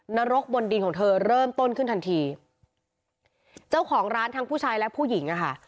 นรกบนดินของเธอเริ่มต้นขึ้นทันทีเจ้าของร้านทั้งผู้ชายและผู้หญิงอ่ะค่ะ